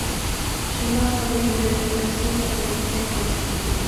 شۇنداق قىلىپ مەنمۇ ئەسلى تەبىئەتكە قايتتىم.